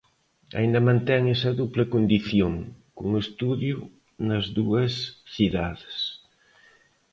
Aínda mantén esa dupla condición, con estudio nas dúas cidades.